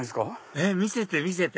えっ見せて見せて！